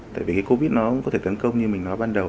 tại vì cái covid nó cũng có thể tấn công như mình nói ban đầu